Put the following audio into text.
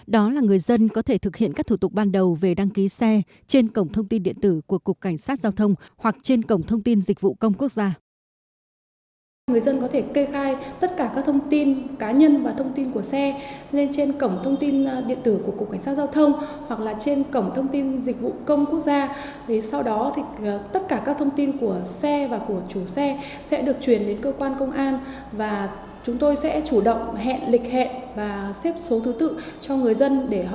đó là người dân có thể thực hiện các thủ tục ban đầu về đăng ký xe trên cổng thông tin điện tử của cục cảnh sát giao thông hoặc trên cổng thông tin dịch vụ công quốc gia